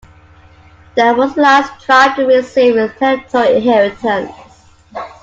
Dan was the last tribe to receive its territorial inheritance.